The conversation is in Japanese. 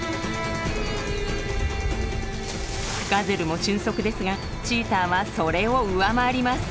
ガゼルも俊足ですがチーターはそれを上回ります。